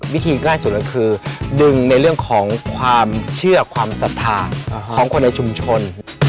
วิธีใกล้สุดก็คือดึงในเรื่องของความเชื่อความศรัทธาของคนในชุมชน